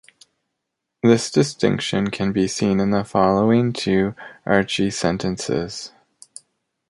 This distinction can be seen in the following two Archi sentences.